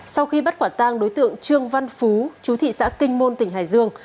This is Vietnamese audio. sau khi bắt quả tang đối tượng trương văn phú chú thị xã kinh môn tỉnh hải dương